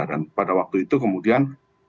dan pada waktu itu kemudian